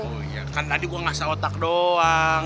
oh iya kan tadi gue ngasih otak doang